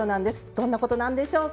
どんなことなんでしょうか。